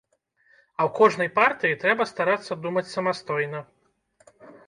А ў кожнай партыі трэба старацца думаць самастойна.